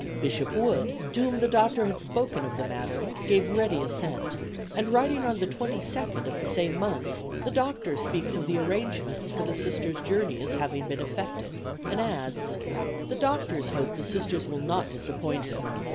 Bishop Wood, to whom the Doctor had spoken of the matter, gave ready assent, and writing on the 22d of the same month, the Doctor speaks of the arrangements for the Sisters' journey as having been effected, and adds: "The Doctor hopes the Sisters will not disappoint him.